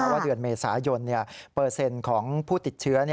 ว่าเดือนเมษายนเปอร์เซ็นต์ของผู้ติดเชื้อ